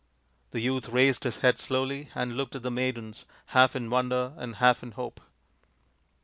The youth raised his head slowly and looked at the maidens, half in wonder and half in hope.